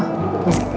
lu masih sedih ya